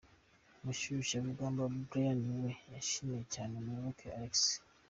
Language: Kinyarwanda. Umushyusharugamba Brian we yashimiye cyane Muyoboke Alex.